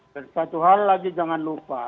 dan satu hal lagi jangan lupa